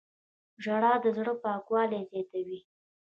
• ژړا د زړه پاکوالی زیاتوي.